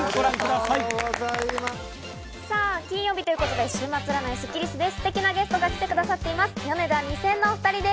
さぁ金曜日ということで、週末占いスッキりすです。